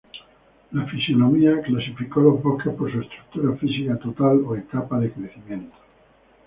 La fisionomía clasifica los bosques por su estructura física total o etapa de crecimiento.